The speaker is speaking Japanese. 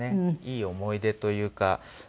いい思い出というか。